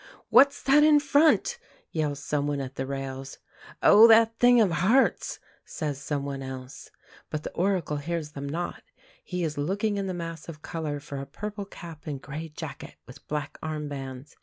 "What's that in front?" yells someone at the rails. "Oh, that thing of Hart's," says someone else. But the Oracle hears them not; he is looking in the mass of colour for a purple cap and grey jacket, with black arm bands.